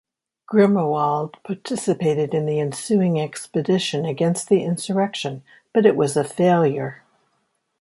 Grimoald participated in the ensuing expedition against the insurrection, but it was a failure.